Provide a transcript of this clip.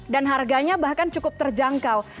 dan harganya bahkan cukup terjangkau